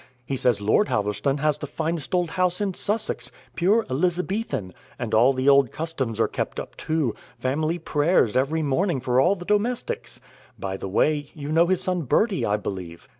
He says Lord Halverstone has the finest old house in Sussex, pure Elizabethan, and all the old customs are kept up, too family prayers every morning for all the domestics. By the way, you know his son Bertie, I believe."